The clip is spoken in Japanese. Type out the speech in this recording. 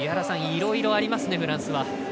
いろいろありますね、フランスは。